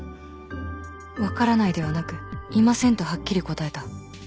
「分からない」ではなく「いません」とはっきり答えた